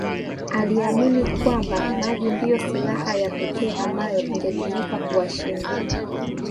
Aliamini kwamba maji ndiyo silaha ya kipekee ambayo ingetumika kuwashinda